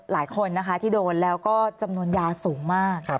หลายคนนะคะที่โดนแล้วก็จำนวนยาสูงมาก